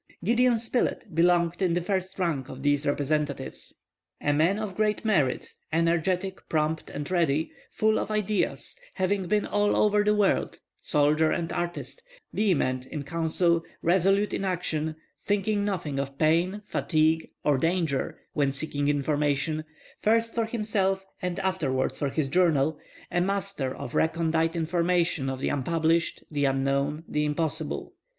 Gideon Spilett belonged in the first rank of these representatives. A man of great merit; energetic, prompt, and ready; full of ideas, having been all over the world; soldier and artist; vehement in council; resolute in action; thinking nothing of pain, fatigue, or danger when seeking information, first for himself and afterwards for his journal; a master of recondite information of the unpublished, the unknown, the impossible.